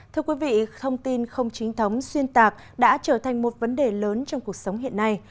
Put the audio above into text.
thưa quý vị thông tin không chính thống xuyên tạc đã trở thành một vấn đề lớn trong cuộc sống hiện nay